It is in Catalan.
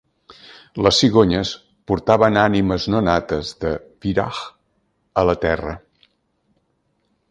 Les cigonyes portaven ànimes no-nates de Vyraj a la Terra.